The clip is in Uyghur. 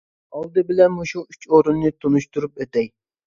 ئالدى بىلەن مۇشۇ ئۈچ ئورۇننى تونۇشتۇرۇپ ئۆتەي.